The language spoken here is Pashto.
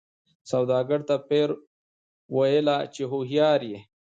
سوداګر ته پیر ویله چي هوښیار یې